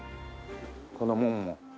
この門も。